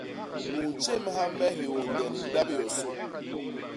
U ntjémha me hiônde ni ndap yosô.